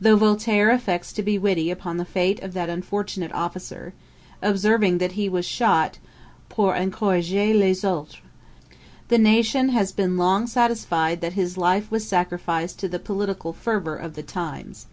Though Voltaire affects to be witty upon the fate of that unfortunate officer, observing that he was shot 'pour encourager les autres,' the nation has long been satisfied that his life was sacrificed to the political fervour of the times.